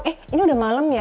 eh ini udah malam ya